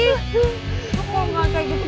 lu kok gak kayak gitu